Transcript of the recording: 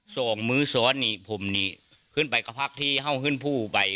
สองมือซ้อนนี่ผมนี่ขึ้นไปก็พักที่ห้องขึ้นผู้ไป